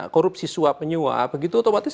korupsi suap menyuap begitu otomatis